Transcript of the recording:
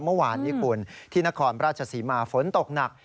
เมื่อวานญี่ปุ่นที่นครพระราชสีมาฝนตกหนัก